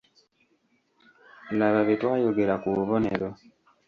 Laba bye twayogera ku bubonero.